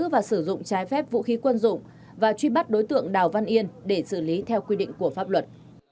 và sử dụng trái phép vũ khí quân dụng và truy bắt đối tượng đào văn yên để xử lý theo quy định của pháp luật